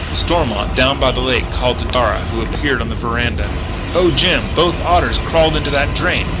Stormont, down by the lake, called to Darragh, who appeared on the veranda: "Oh, Jim! Both otters crawled into the drain!